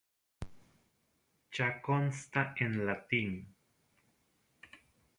Ya consta en latín.